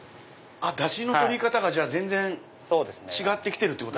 ダシの取り方が全然違って来てるってことですか？